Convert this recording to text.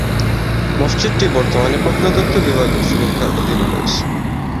মসজিদটি বর্তমানে প্রত্নতত্ত্ব বিভাগের সুরক্ষার অধীনে রয়েছে।